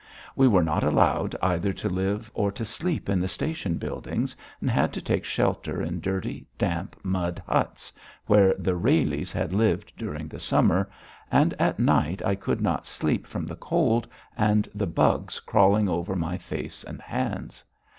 We were not allowed either to live or to sleep in the station buildings and had to take shelter in dirty, damp, mud huts where the "railies" had lived during the summer, and at night I could not sleep from the cold and the bugs crawling over my face and hands.